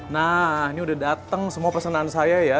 nah ini udah dateng semua pesanan saya ya